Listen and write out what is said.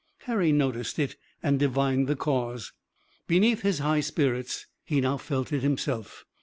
Harry noticed it and divined the cause. Beneath his high spirits he now felt it himself.